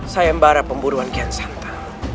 saya mbahara pemburu kian santa